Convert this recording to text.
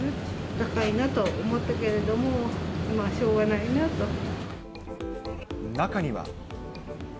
高いなと思ったけれども、中には。